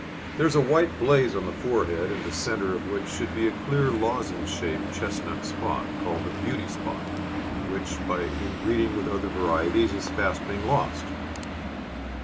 There is a white blaze on the forehead, in the centre of which should be a clear lozenge shaped chestnut spot, called the beauty spot, which by inbreeding with other varieties is fast being lost.